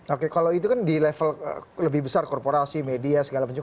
oke kalau itu kan di level lebih besar korporasi media segala macam